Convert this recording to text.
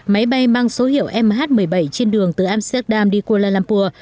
máy bay mang số hiệu mh một mươi bảy trên đường từ amsterdam đi kuala lumpur